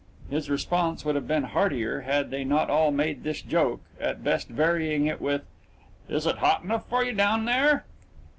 His response would have been heartier had they not all made this joke at best varying it with, "Is it hot enough for you down there?"